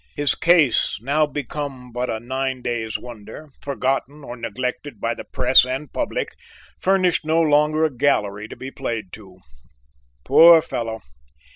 His case, now become but a nine day's wonder, forgotten or neglected by the press and public, furnished no longer a gallery to be played to. Poor fellow!